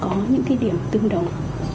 cũng có những cái điểm tương đồng